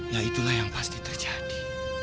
yaitulah yang pasti terjadi